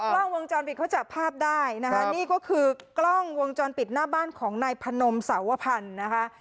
กล้องวงจรปิดเขาจับภาพได้นะคะนี่ก็คือกล้องวงจรปิดหน้าบ้านของนายพนมสาวพันธ์นะคะ